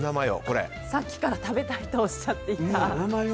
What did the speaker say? さっきから食べたいとおっしゃっていた。